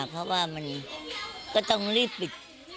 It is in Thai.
เพราะว่ามันก็ต้องรีบปิด